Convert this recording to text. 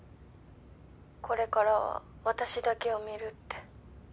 これからは私だけを見るって。